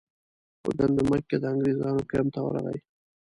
په ګندمک کې د انګریزانو کمپ ته ورغی.